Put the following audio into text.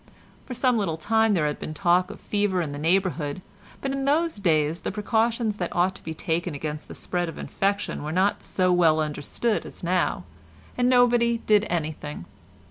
For some little time there had been a talk of fever in the neighbourhood, but in those days the precautions that ought to be taken against the spread of infection were not so well understood as now, and nobody did anything.